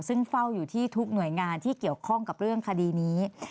ซึ่งเฝ้าอยู่ที่ทุกหน่วยงานที่เกี่ยวข้องกับเรื่องคดีนี้